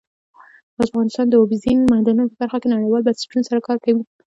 افغانستان د اوبزین معدنونه په برخه کې نړیوالو بنسټونو سره کار کوي.